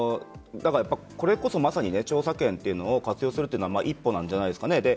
これこそまさに調査権を活用するのは一歩なんじゃないですかね。